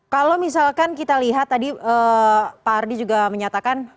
kalau misalkan kita lihat tadi pak ardi juga menyatakan